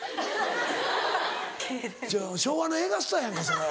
昭和の映画スターやんかそれ。